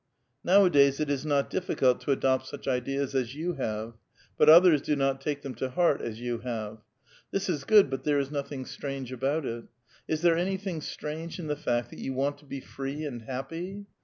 Nowadays it is not difficult to adopt such ideas as you have. But others do not take them to heart as you have. This is good, but there is nothing strange about it. Is there anything strange in the fact that yow want to be free \and hapi)y